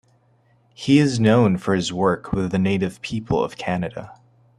He is known for his work with the native people of Canada.